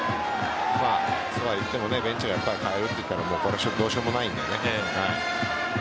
そうは言ってもベンチが代えると言ったらどうしようもないので。